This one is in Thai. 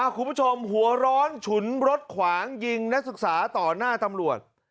คุณผู้ชมหัวร้อนฉุนรถขวางยิงนักศึกษาต่อหน้าตำรวจ